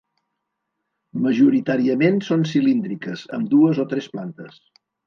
Majoritàriament són cilíndriques, amb dues o tres plantes.